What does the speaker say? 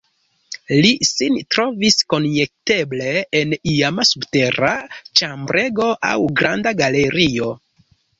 Li sin trovis konjekteble en iama subtera ĉambrego aŭ granda galerio.